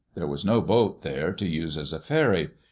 There was no boat there to use as a ferry.